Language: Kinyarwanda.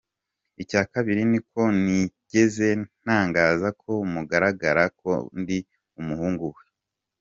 Icya kabiri niko ntigeze ntangaza ku mugaragara ko ndi umuhungu we.